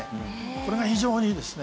これが非常にですね